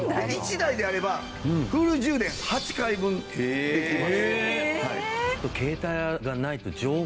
１台であればフル充電８回分できます。